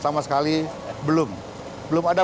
sama sekali belum belum ada